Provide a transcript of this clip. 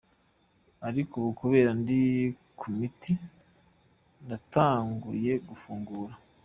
Ariko ubu kubera ndi ku miti ndatanguye gufungura.